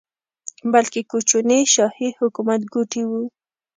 بلکې کوچني شاهي حکومت ګوټي وو.